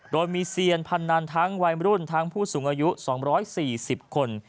โดยมีเซียนพนันทั้งวัยมรุ่นทั้งผู้สูงอายุ๒๔๐คน